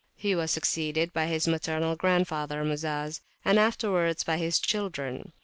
He was succeeded by his maternal grandfather Muzaz, and afterwards by his children.